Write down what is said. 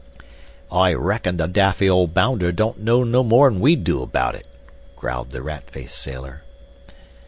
"I reckon the daffy old bounder don't know no more'n we do about it," growled the rat faced sailor.